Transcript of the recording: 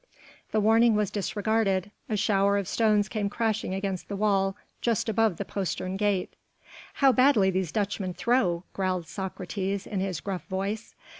The warning was disregarded: a shower of stones came crashing against the wall just above the postern gate. "How badly these Dutchmen throw," growled Socrates in his gruff voice.